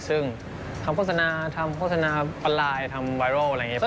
ซึ่งทำโฆษณาทำโฆษณาประลายทำไวรัลอะไรอย่างนี้